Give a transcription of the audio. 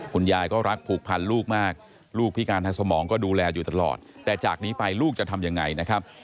คุณยายก็รักผูกพันลูกมากลูกพิการทางสมองก็ดูแลอยู่ตลอดแต่จากนี้ไปลูกจะทำยังไงนะครับ